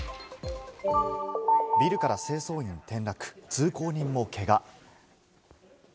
ビルから清掃員転落、通行人もけが。